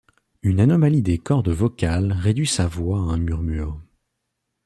Une anomalie des cordes vocales réduit sa voix à un murmure.